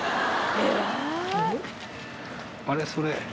あれ？